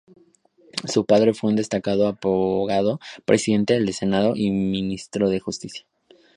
Su padre fue un destacado abogado, Presidente del Senado y Ministro de Justicia.